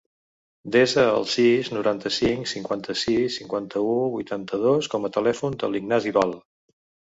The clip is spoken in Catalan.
Desa el sis, noranta-cinc, cinquanta-sis, cinquanta-u, vuitanta-dos com a telèfon de l'Ignasi Val.